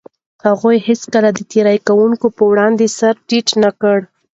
هغوی هيڅکله د تېري کوونکو پر وړاندې سر ټيټ نه کړ.